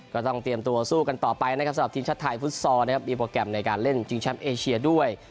ก็ต้องเตรียมตัวสู้กันต่อไปนะครับสำหรับทีมชาติไทยฟุตซอลนะครับมีโปรแกรมในการเล่นชิงแชมป์เอเชียด้วย